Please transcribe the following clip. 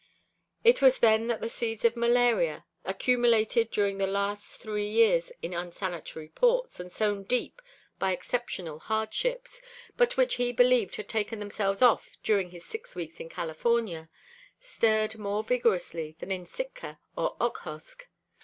It was then that the seeds of malaria, accumulated during the last three years in unsanitary ports and sown deep by exceptional hardships, but which he believed had taken themselves off during his six weeks in California, stirred more vigorously than in Sitka or Okhotsk.